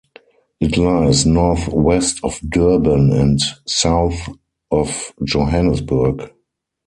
It lies north-west of Durban and south of Johannesburg.